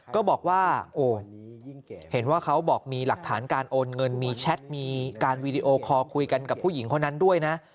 ก็บอกว่าโอ้เห็นว่าเขาบอกมีหลักฐานการโอนเงินมีแชทมีการวีดีโอคอลคุยกันกับผู้หญิงคนนั้นด้วยนะ